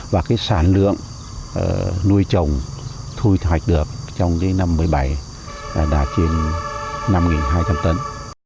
và cái sản lượng nuôi trồng thu hoạch được trong cái năm hai nghìn một mươi bảy là trên năm hai trăm linh tấn